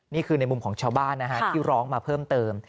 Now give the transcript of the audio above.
นี่คือในมุมของชาวบ้านนะฮะที่ร้องมาเพิ่มเติม